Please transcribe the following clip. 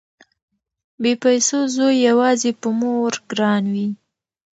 بې پيسو زوی يواځې په مور ګران وي